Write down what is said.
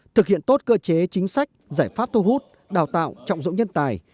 thực hiện tốt cơ chế chính sách giải pháp thu hút đào tạo trọng dụng nhân tài